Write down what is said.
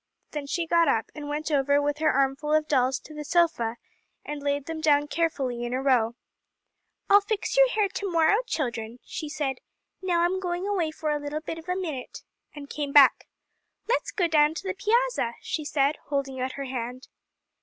Then she got up, and went over with her armful of dolls to the sofa, and laid them down carefully in a row. "I'll fix your hair to morrow, children," she said; "now I'm going away for a little bit of a minute," and came back. "Let's go down to the piazza," she said, holding out her hand.